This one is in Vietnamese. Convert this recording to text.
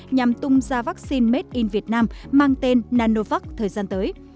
nhằm tung ra vaccine made in vietnam mang tên nanovac thời gian tới